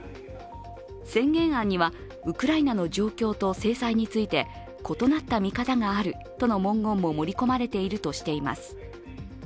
宣言案にはウクライナの状況と制裁について異なった見方があるとの文言も盛り込まれているとしています。